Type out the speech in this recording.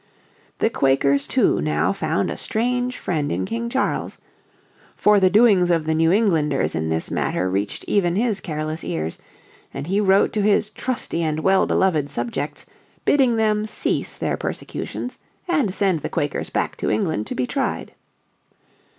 The Quakers, too, now found a strange friend in King Charles. For the doings of the New Englanders in this matter reached even his careless ears, and he wrote to his "Trusty and well beloved" subjects bidding them cease their persecutions, and send the Quakers back to England to be tried.